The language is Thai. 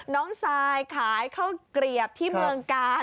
น้องซายขายเข้าเกรียบที่เมืองกาล